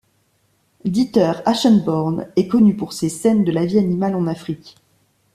Dieter Aschenborn est connu pour ses scènes de la vie animale en Afrique.